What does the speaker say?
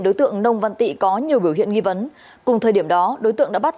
đối tượng nông văn tị có nhiều biểu hiện nghi vấn cùng thời điểm đó đối tượng đã bắt